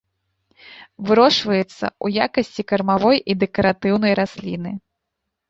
Вырошчваецца ў якасці кармавой і дэкаратыўнай расліны.